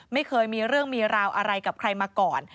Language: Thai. ไม่เคยมีเรื่องมีราวอะไรกับใครมาก่อน